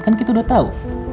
kan kita udah tau